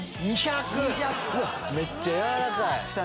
めっちゃ軟らかい！